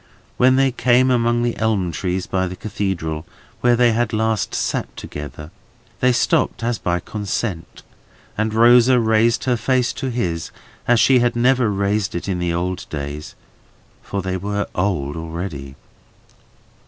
When they came among the elm trees by the Cathedral, where they had last sat together, they stopped as by consent, and Rosa raised her face to his, as she had never raised it in the old days;—for they were old already.